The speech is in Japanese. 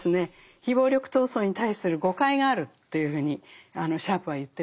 非暴力闘争に対する誤解があるというふうにシャープは言ってるんですね。